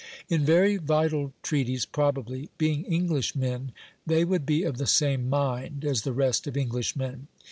In very vital treaties probably, being Englishmen, they would be of the same mind as the rest of Englishmen.